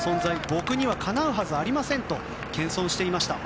僕には、かなうはずありませんと謙遜していました。